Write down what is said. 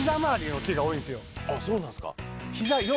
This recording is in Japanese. あっそうなんですか。